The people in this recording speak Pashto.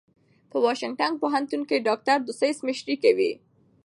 په واشنګټن پوهنتون کې ډاکټر ډسیس مشري کوي.